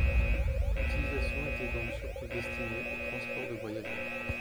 L'utilisation était donc surtout destinée au transport de voyageurs.